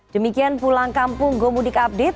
demikian pulang kampung go mudik update